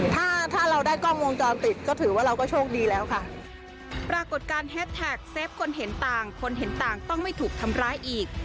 แต่ถ้าคนเห็นต่างคนเห็นต่างต้องไม่ถูกทำร้ายอีก